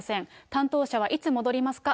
担当者はいつ戻りますか？